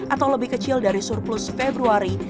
atau lebih kecil dari surplus februari